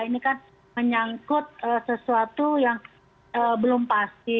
ini kan menyangkut sesuatu yang belum pasti